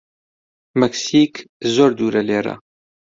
مەکسیک زۆر دوورە لێرە.